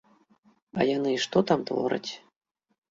А яны што там твораць.